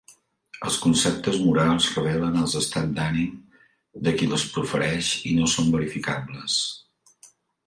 Els conceptes morals revelen els estats d'ànim de qui les profereix i no són verificables.